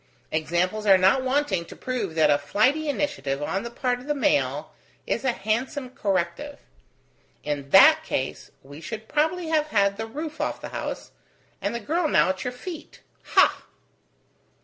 Examples are not wanting to prove that a flighty initiative on the part of the male is a handsome corrective. In that case, we should probably have had the roof off the house, and the girl now at your feet. Ha!"